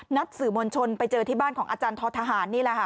สื่อมวลชนไปเจอที่บ้านของอาจารย์ท้อทหารนี่แหละค่ะ